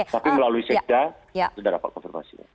tapi melalui seda sudah dapat konfirmasinya